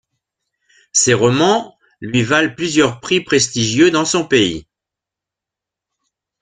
Ses romans lui valent plusieurs prix prestigieux dans son pays.